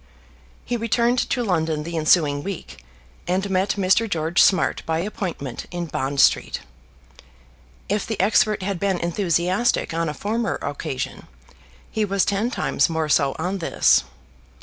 He returned to London the ensuing week, and met Mr. George Smart by appointment in Bond Street. If the expert had been enthusiastic on a former occasion, he was ten times more so on this.